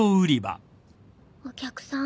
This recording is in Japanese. お客さん